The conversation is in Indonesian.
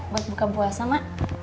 buat buka puasa ma